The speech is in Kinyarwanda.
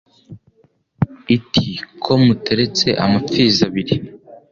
Iti « ko muteretse amapfizi abiri,